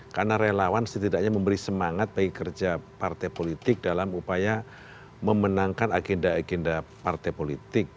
karena relawan setidaknya memberi semangat bagi kerja partai politik dalam upaya memenangkan agenda agenda partai politik